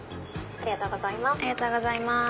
ありがとうございます。